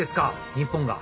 日本が。